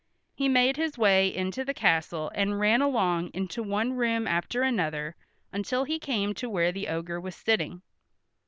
He made his way into the castle and ran along into one room after another until he came to where the ogre was sitting.